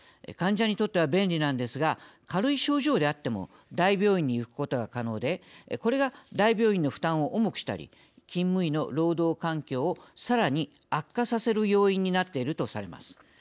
患者にとっては便利なんですが軽い症状であっても大病院に行くことが可能でこれが大病院の負担を重くしたり勤務医の労働環境をさらに悪化させる要因になっているとされます。